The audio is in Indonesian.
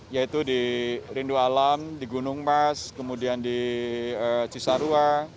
yaitu di rindu alam di gunung mas kemudian di cisarua